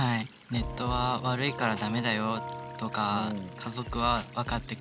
「ネットは悪いからだめだよ」とか家族はわかってくれない。